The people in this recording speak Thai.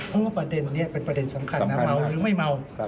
เพราะว่าประเด็นนี้เป็นประเด็นสำคัญนะเมาหรือไม่เมา